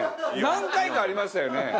何回か、ありましたよね？